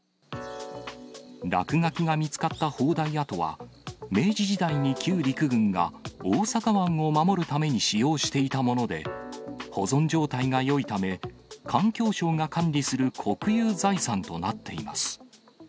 落書きが見つかった砲台跡は、明治時代に旧陸軍が大阪湾を守るために使用していたもので、保存状態がよいため、環境省が管理する国有財産となっています。